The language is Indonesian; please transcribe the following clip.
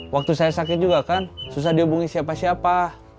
waktu saya sakit juga kan susah dihubungi siapa siapa